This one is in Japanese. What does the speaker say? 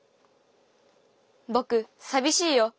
ぼくさびしいよ！